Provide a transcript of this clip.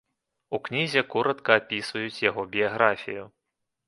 У кнізе коратка апісваюць яго біяграфію.